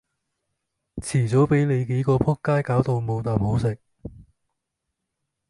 遲早比你幾個仆街攪到冇啖好食